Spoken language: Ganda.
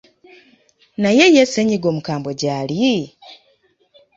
Naye ye ssennyiga omukambwe gy’ali?